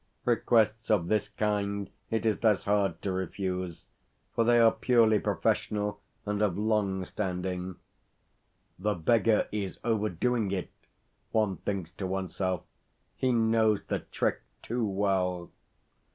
Requests of this kind it is less hard to refuse, for they are purely professional and of long standing. "The beggar is overdoing it," one thinks to oneself. "He knows the trick too well."